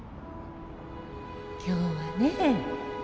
今日はね